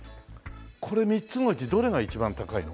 これ３つのうちどれが一番高いの？